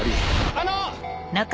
あの！